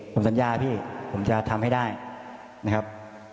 ผมสัญญาพี่ผมจะทำให้ได้นะครับ